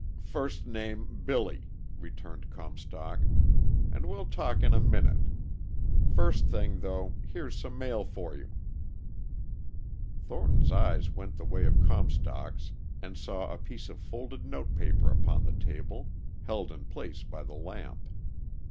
"First name, Billy," returned Comstock. "And we'll talk in a minute. First thing though, there's some mail for you!" Thornton's eyes went the way of Comstock's, and saw a piece of folded notepaper upon the table, held in place by the lamp.